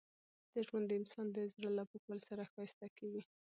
ژوند د انسان د زړه له پاکوالي سره ښایسته کېږي.